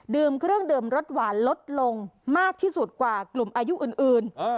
เครื่องดื่มรสหวานลดลงมากที่สุดกว่ากลุ่มอายุอื่น